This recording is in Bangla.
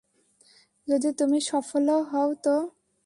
যদি তুমি সফলও হও তো?